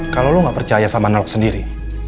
kalau lu gak percaya sama naluk sendiri